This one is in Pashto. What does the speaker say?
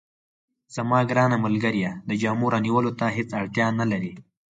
زما ګرانه ملګرې، د جامو رانیولو ته هیڅ اړتیا نه لرې.